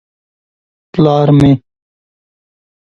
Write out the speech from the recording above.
_ پلار مې.